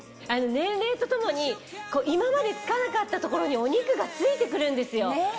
年齢とともに今まで付かなかった所にお肉が付いてくるんですよ。